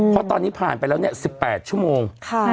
เพราะตอนนี้ผ่านไปแล้ว๑๘ชั่วโมง